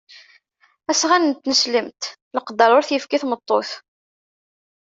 Asɣan n tneslemt leqder ur t-yefki i tmeṭṭut.